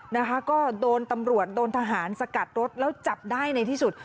นะคะก็โดนตำรวจโดนทหารสกัดรถแล้วจับได้ในที่สุด